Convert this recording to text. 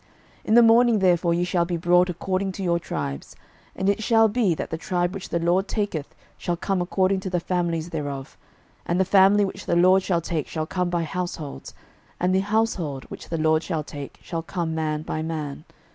06:007:014 In the morning therefore ye shall be brought according to your tribes: and it shall be, that the tribe which the LORD taketh shall come according to the families thereof; and the family which the LORD shall take shall come by households; and the household which the LORD shall take shall come man by man.